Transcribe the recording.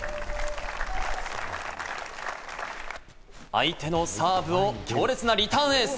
相手のサーブを強烈なリターンエース。